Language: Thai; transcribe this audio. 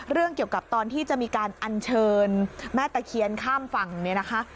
เรื่องเกี่ยวกับตอนที่จะมีการอัญเชิญแม่ตะเคียนข้ามฝั่งเนี่ยนะคะ